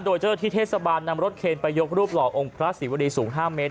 โดยเจ้าที่เทศบาลนำรถเคนไปยกรูปหล่อองค์พระศรีวรีสูง๕เมตร